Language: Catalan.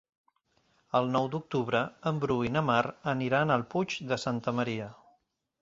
El nou d'octubre en Bru i na Mar aniran al Puig de Santa Maria.